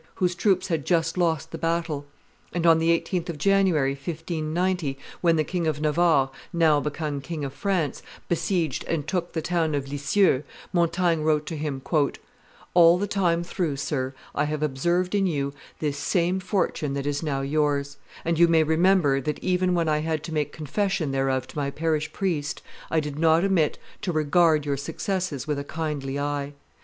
whose troops had just lost the battle; and on the 18th of January, 1590, when the King of Navarre, now become King of France, besieged and took the town of Lisieux, Montaigne wrote to him, "All the time through, sir, I have observed in you this same fortune that is now yours; and you may remember that even when I had to make confession thereof to my parish priest I did not omit to regard your successes with a kindly eye.